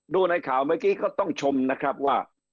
ดูในข่าวเมื่อกี้ก็ต้องชมนะครับว่า